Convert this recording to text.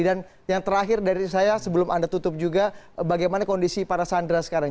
dan yang terakhir dari saya sebelum anda tutup juga bagaimana kondisi para sandra sekarang